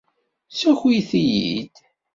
Ssakit-iyi-d.